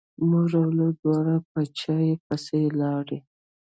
مور او لور دواړه په چای پسې لاړې.